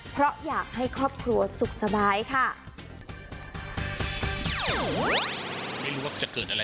เพราะอยากให้ครอบครัวสุขสบายค่ะ